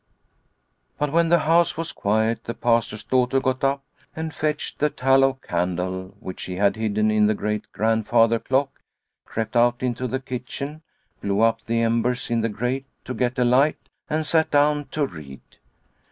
But when the house was quiet, the Pastor's daughter got up and fetched the tallow candle which she had hidden in the great grandfather clock, crept out into the kitchen, blew up the embers in the grate to get a light and sat down to read.